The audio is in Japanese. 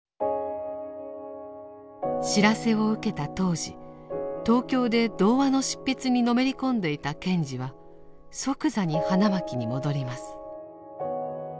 知らせを受けた当時東京で童話の執筆にのめり込んでいた賢治は即座に花巻に戻ります。